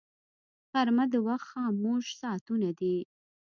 غرمه د وخت خاموش ساعتونه دي